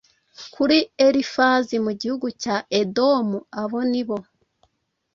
kuri Elifazi mu gihugu cya Edomu abo ni bo